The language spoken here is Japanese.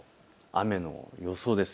雨の予想です。